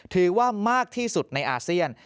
ถือว่ามากที่สุดในอาเซียน